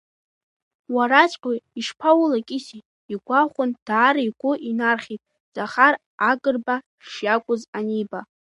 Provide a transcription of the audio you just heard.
Уараҵәҟьа ишԥаулакьыси, игәахәын, даара игәы инархьит Захар Агрба шиакәыз аниба.